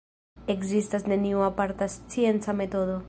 Ekzistas neniu aparta scienca metodo.